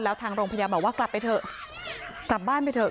แล้วทางโรงพยาบาลบอกว่ากลับไปเถอะกลับบ้านไปเถอ